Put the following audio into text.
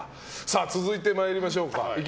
続いていきましょうか。